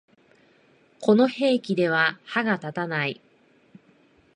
この兵器では歯が立たない